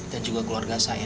dan juga keluarga saya